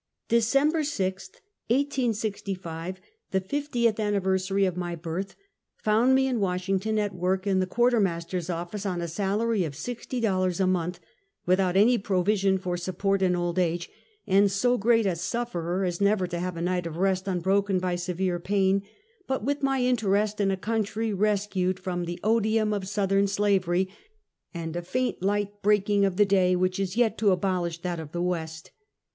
December 6th, 1865, the fiftieth anniversary of my birth, found me in Washington, at work in the Quar ter Master's office, on a salary of sixty dollars a month, without any provision for support in old age; and so great a sufferer as never to have a night of rest un broken b}' severe pain, but with my interest in a coun try rescued from the odium of Southern slavery, and a faint light breaking of the day which is yet to abolish that of the "West.